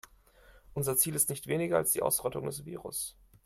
Unser Ziel ist nicht weniger als die Ausrottung des Virus.